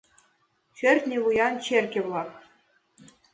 Шӧртньӧ вуян черке-влак